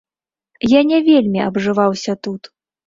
Я не вельмі абжываўся тут.